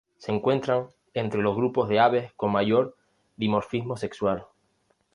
Se encuentran entre los grupos de aves con un mayor dimorfismo sexual.